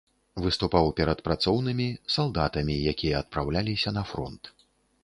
Выступаў перад працоўнымі, салдатамі, якія адпраўляліся на фронт.